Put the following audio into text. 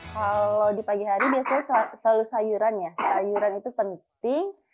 kalau di pagi hari biasanya selalu sayuran ya sayuran itu penting